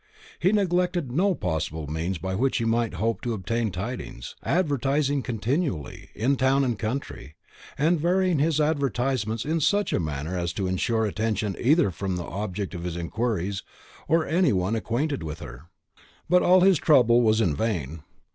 He neglected no possible means by which he might hope to obtain tidings; advertising continually, in town and country, and varying his advertisements in such a manner as to insure attention either from the object of his inquiries, or any one acquainted with her. But all his trouble was in vain.